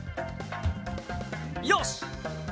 よし！